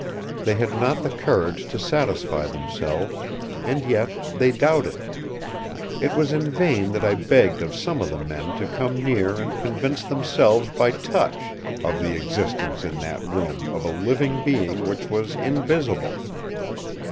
They had not the courage to satisfy themselves, and yet they doubted. It was in vain that I begged of some of the men to come near and convince themselves by touch of the existence in that room of a living being which was invisible.